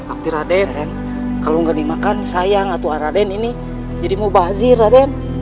tapi raden kalau tidak dimakan sayang atu ar raden ini jadi mubazir raden